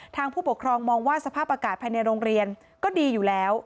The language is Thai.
ผู้ปกครองมองว่าสภาพอากาศภายในโรงเรียนก็ดีอยู่แล้ว